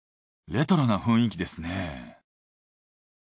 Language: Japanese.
レトロな雰囲気ですね。